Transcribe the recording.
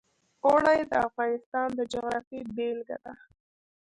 اوړي د افغانستان د جغرافیې بېلګه ده.